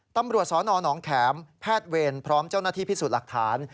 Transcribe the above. ตำรวจสนหนองแขมแพทย์เวรพร้อมเจ้าหน้าที่พิสูจน์หลักฐาน